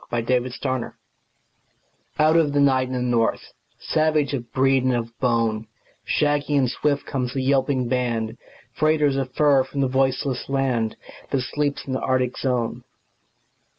THE TRAIN DOGS Out of the night and the north; Savage of breed and of bone, Shaggy and swift comes the yelping band, Freighters of fur from the voiceless land That sleeps in the Arctic zone.